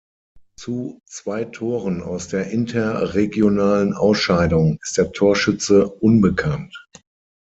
Zu zwei Toren aus der interregionalen Ausscheidung ist der Torschütze unbekannt.